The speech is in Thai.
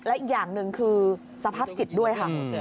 และอีกอย่างหนึ่งคือสภาพจิตด้วยค่ะ